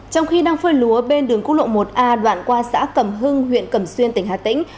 trong khi đang phơi lúa bên đường cung lộ một a đoạn qua xã cầm hưng huyện cầm xuyên tỉnh hà tĩnh